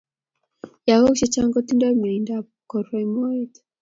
Yakok che chang kotindo mwiondo ab korwai moet